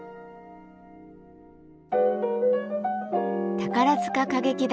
宝塚歌劇団